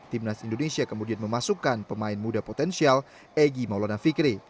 timnas indonesia kemudian memasukkan pemain muda potensial egy maulana fikri